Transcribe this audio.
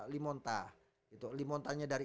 limonta gitu limontanya dari